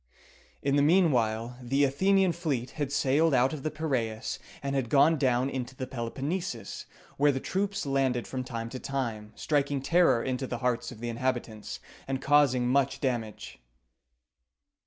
In the mean while the Athenian fleet had sailed out of the Piræus, and had gone down into the Peloponnesus, where the troops landed from time to time, striking terror into the hearts of the inhabitants, and causing much damage.